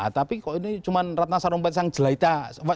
tapi kalau ini cuma ratna sarompat sang jelaita